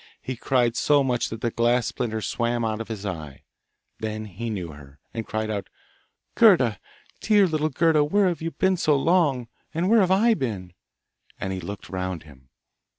He cried so much that the glass splinter swam out of his eye; then he knew her, and cried out, 'Gerda! dear little Gerda! Where have you been so long? and where have I been?' And he looked round him.